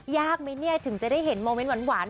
ยากไหมเนี่ยถึงจะได้เห็นโมเมนต์หวาน